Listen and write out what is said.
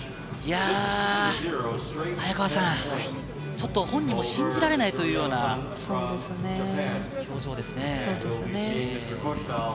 早川さん、ちょっと本人も信じられないというような表情ですね。